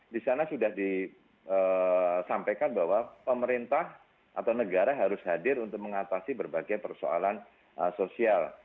di sana sudah disampaikan bahwa pemerintah atau negara harus hadir untuk mengatasi berbagai persoalan sosial